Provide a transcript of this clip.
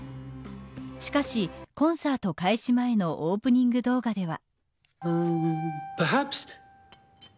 しかし、コンサート開始前のオープニング動画では。